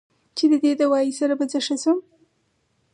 چې د دې دوائي سره به زۀ ښۀ شم